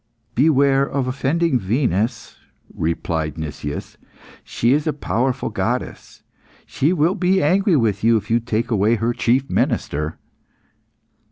"Beware of offending Venus," replied Nicias. "She is a powerful goddess, she will be angry with you if you take away her chief minister."